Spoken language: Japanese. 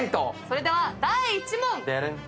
それでは第１問。